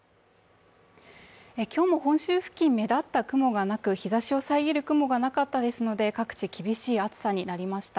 今日も本州付近目立った雲がなく、日ざしを遮る雲がなかったですので、各地、厳しい暑さになりました。